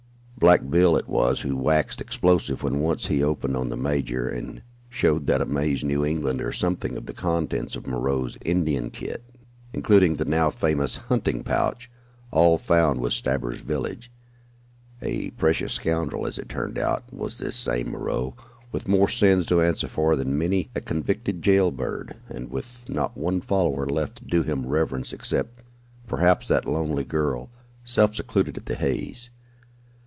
"Black Bill" it was who waxed explosive when once he opened on the major, and showed that amazed New Englander something of the contents of Moreau's Indian kit, including the now famous hunting pouch, all found with Stabber's village. A precious scoundrel, as it turned out, was this same Moreau, with more sins to answer for than many a convicted jail bird, and with not one follower left to do him reverence except, perhaps, that lonely girl, self secluded at the Hays.